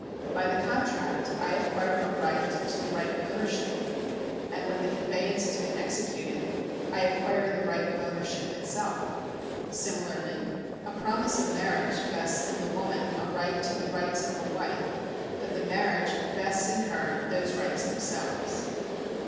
By the contract I acquire a right to the right of ownership, and when the conveyance has been executed, I acquire the right of owner ship itself. Similarly a promise of marriage vests in the woman a right to the rights of a wife ; but the marriage vests in her those rights themselves.